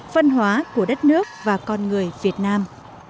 văn hóa của đất nước và con người việt nam